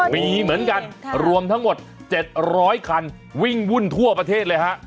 มีเหมือนกันรวมทั้งหมด๗๐๐คันวิ่งวุ่นทั่วประเทศเลยฮะ